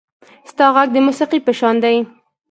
• ستا غږ د موسیقۍ په شان دی.